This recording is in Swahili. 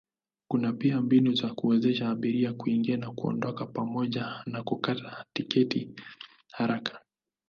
Kuna pia mbinu za kuwezesha abiria kuingia na kuondoka pamoja na kukata tiketi haraka.